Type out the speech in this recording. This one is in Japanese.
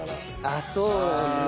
あっそうなんだ。